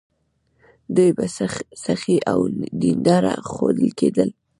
دوی به سخي او دینداره ښودل کېدل.